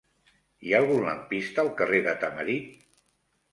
Hi ha algun lampista al carrer de Tamarit?